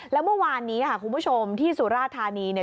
แล้วเมื่อวานนี้คุณผู้ชมที่สุราชธานี